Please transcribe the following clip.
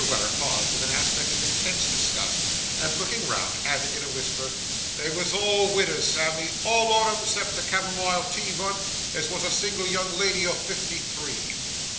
Weller paused with an aspect of intense disgust, and looking round, added in a whisper, 'They wos all widders, Sammy, all on 'em, 'cept the camomile tea vun, as wos a single young lady o' fifty three.